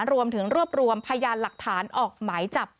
รวมพยานหลักฐานออกหมายจับ